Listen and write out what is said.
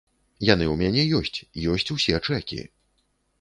Яны ў мяне ёсць, ёсць усе чэкі.